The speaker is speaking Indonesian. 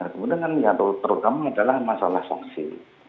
kemudian kan terutama adalah masalah sanksi